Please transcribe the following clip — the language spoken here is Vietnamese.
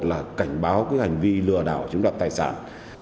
là cảnh báo hành vi lừa đảo chúng đọc tài sản